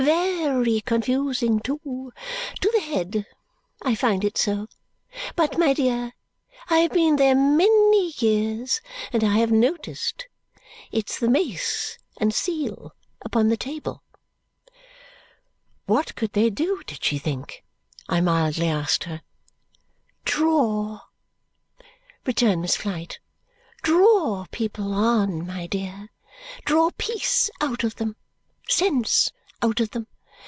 Ve ry confusing, too. To the head. I find it so. But, my dear, I have been there many years, and I have noticed. It's the mace and seal upon the table." What could they do, did she think? I mildly asked her. "Draw," returned Miss Flite. "Draw people on, my dear. Draw peace out of them. Sense out of them.